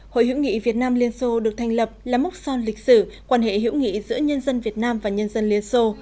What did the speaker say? hội hữu nghị việt nam liên xô được thành lập là mốc son lịch sử quan hệ hữu nghị giữa nhân dân việt nam và nhân dân liên xô